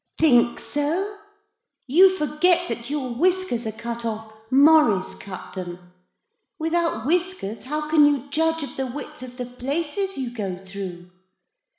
'Think so? You forget that your whiskers are cut off Maurice cut them. Without whiskers, how can you judge of the width of the places you go through?